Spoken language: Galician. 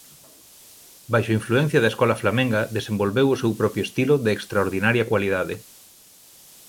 Baixo a influencia da escola flamenga desenvolveu o seu propio estilo de extraordinaria cualidade.